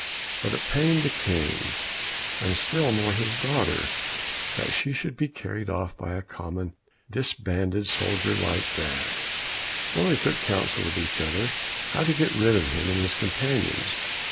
But it pained the King, and still more his daughter, that she should be carried off by a common disbanded soldier like that; so they took counsel with each other how to get rid of him and his companions.